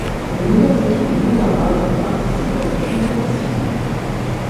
Les meilleures équipes du monde arabe participent à cette compétition.